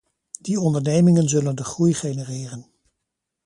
Die ondernemingen zullen de groei genereren.